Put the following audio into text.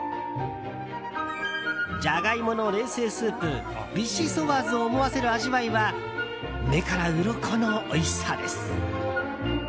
ジャガイモの冷製スープビシソワーズを思わせる味わいは目からうろこのおいしさです。